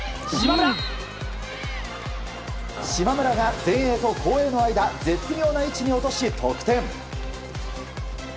島村が前衛と後衛の間絶妙な位置に落とし、得点。